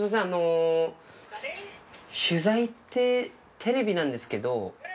あの取材ってテレビなんですけど。